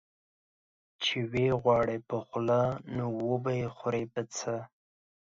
چي وې غواړې په خوله، نو وبې خورې په څه؟